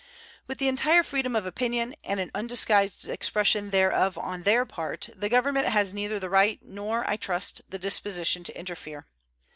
With the entire freedom of opinion and an undisguised expression thereof on their part the Government has neither the right nor, I trust, the disposition to interfere.